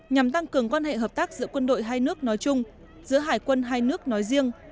nhằm tăng cường quan hệ hợp tác giữa quân đội hai nước nói chung giữa hải quân hai nước nói riêng